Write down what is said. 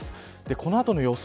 この後の予想